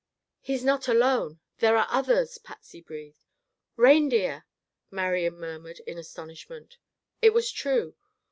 "He's not alone. There are others," Patsy breathed. "Reindeer!" Marian murmured in astonishment. It was true.